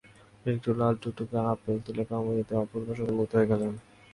একটা লাল টুকটুকে আপেল তুলে কামড় দিতেই অপূর্ব স্বাদে মুগ্ধ হয়ে গেলাম।